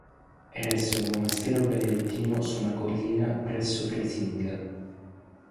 Eresse un monastero benedettino su una collina presso Frisinga.